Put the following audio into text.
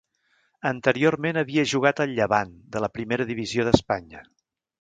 Anteriorment havia jugat al Llevant de la Primera Divisió d'Espanya.